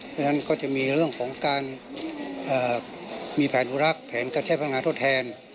เพราะฉะนั้นก็จะมีเรื่องของการมีแผนอุรักษ์แผนกระแทกพนักงานทดแทน